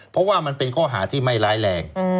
เพราะว่ามันเป็นข้อหาที่ไม่ร้ายแรง